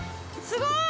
すごい。